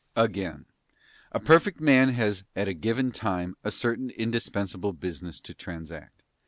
Again. A perfect man has at a given time a certain in dispensable business to transact.